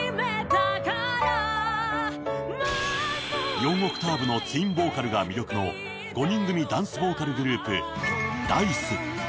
４オクターブのツインボーカルが魅力の５人組ダンスボーカルグループＤａ−ｉＣＥ。